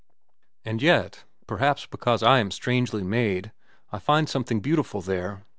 And yet, perhaps because I am strangely made, I find something beautiful there.